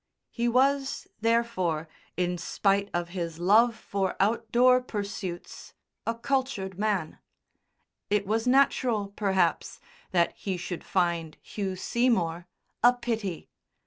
He was, therefore, in spite of his love for outdoor pursuits, a cultured man. It was natural, perhaps, that he should find Hugh Seymour "a pity."